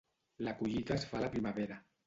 La collita es fa a la primavera.